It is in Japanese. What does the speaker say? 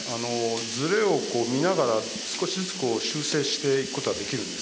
ズレを見ながら少しずつ修正していくことができるんですね。